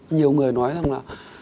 nhiều người nói rằng là